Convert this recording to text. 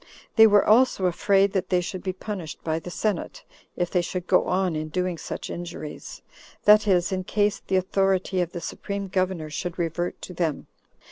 They were also afraid that they should be punished by the senate, if they should go on in doing such injuries; that is, in case the authority of the supreme governor should revert to them.